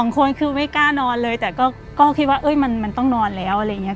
คนคือไม่กล้านอนเลยแต่ก็คิดว่ามันต้องนอนแล้วอะไรอย่างนี้